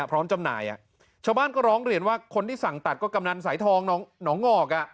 จำหน่ายชาวบ้านก็ร้องเรียนว่าคนที่สั่งตัดก็กำนันสายทองหนองงอกอ่ะ